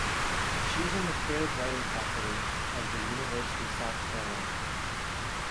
She is on the creative writing faculty of the University of South Carolina.